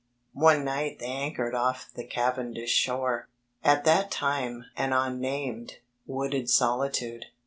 One night they anchored off the Cavendish shore, at that time an unnamed, wooded solitude.